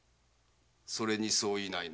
それに相違ないな？